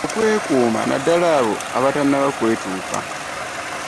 Okwekuuma naddala abo abatannaba kwetuuka.